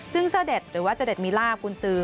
ซึ่งเสด็จหรือว่าเสด็จมีลาคุณซื้อ